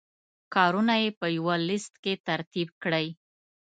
کارونه یې په یوه لست کې ترتیب کړئ.